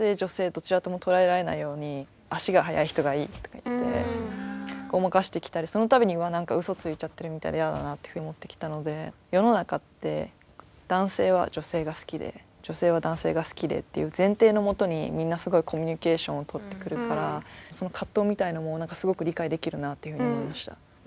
どちらとも捉えられないように足が速い人がいいとか言ってごまかしてきたりその度に「うわっ何かうそついちゃってるみたいで嫌だな」っていうふうに思ってきたので世の中って男性は女性が好きで女性は男性が好きでっていう前提の下にみんなすごいコミュニケーションを取ってくるからその葛藤みたいなものをすごく理解できるなというふうに思いました。